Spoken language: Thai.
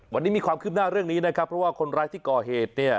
วันนี้มีความคืบหน้าเรื่องนี้นะครับเพราะว่าคนร้ายที่ก่อเหตุเนี่ย